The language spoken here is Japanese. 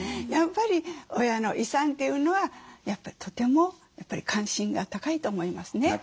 やっぱり親の遺産というのはとてもやっぱり関心が高いと思いますね。